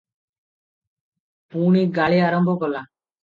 ପୁଣି ଗାଳି ଆରମ୍ଭ କଲା ।